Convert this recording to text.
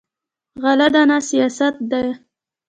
غله دانه سیاست دی.